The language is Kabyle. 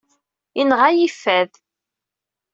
Inɣa-yi fad.